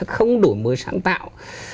không đổi mới sáng tạo